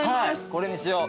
これにしよう